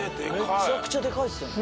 めちゃくちゃでかいっすね。